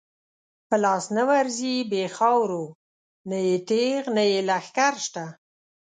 په لاس نه ورځی بی خاورو، نه یې تیغ نه یی لښکر شته